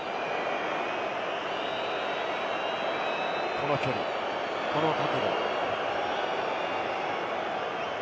この距離、この角度。